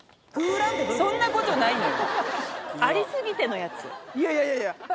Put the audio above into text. そんなことないのよ。